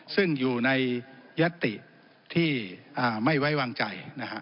ซึ่งอยู่ในยัตติที่ไม่ไว้วางใจ